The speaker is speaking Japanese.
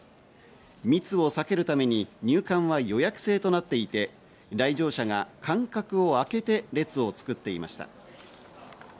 密を避けるために入館は予約制となっていて、来場者が間隔をあけて列を作っていました。